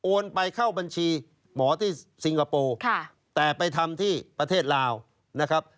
ไปเข้าบัญชีหมอที่ซิงคโปร์แต่ไปทำที่ประเทศลาวนะครับ